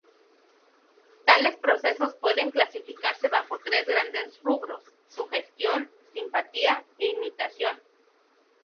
Tales procesos pueden clasificarse bajo tres grandes rubros: sugestión, simpatía e imitación.